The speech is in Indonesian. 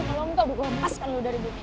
kalau enggak udah gue lepaskan lu dari dunia